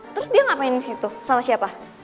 terus dia ngapain disitu sama siapa